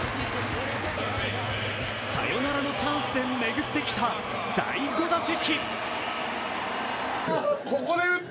サヨナラのチャンスで巡ってきた第５打席。